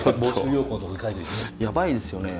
やばいですよね。